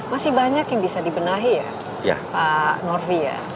masih banyak yang bisa dibenahi ya pak norvi ya